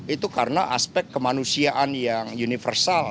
itu karena aspek kemanusiaan yang universal